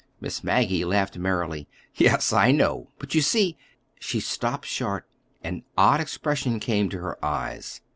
Miss Maggie laughed merrily. "Yes, I know; but you see—" She stopped short. An odd expression came to her eyes.